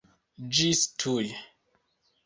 Ĝis tuj!